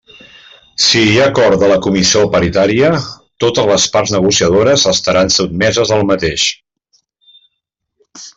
Si hi ha acord de la comissió paritària, totes les parts negociadores estaran sotmeses al mateix.